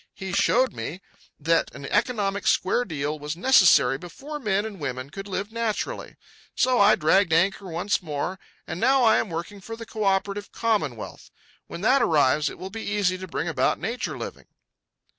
He showed me that an economic square deal was necessary before men and women could live naturally. So I dragged anchor once more, and now I am working for the co operative commonwealth. When that arrives, it will be easy to bring about nature living.